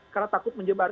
karena takut menyebar